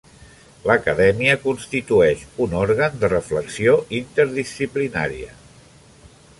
L'Acadèmia constitueix un òrgan de reflexió interdisciplinària.